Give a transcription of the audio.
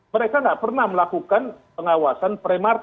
mereka nggak pernah melakukan pengawasan premarket